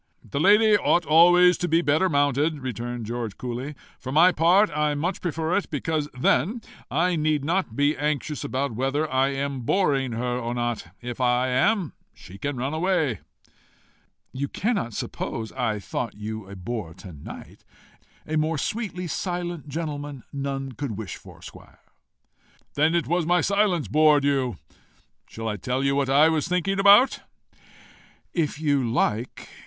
"The lady ought always to be the better mounted," returned George coolly. "For my part, I much prefer it, because then I need not be anxious about whether I am boring her or not: if I am, she can run away." "You cannot suppose I thought you a bore to night. A more sweetly silent gentleman none could wish for squire." "Then it was my silence bored you. Shall I tell you what I was thinking about?" "If you like.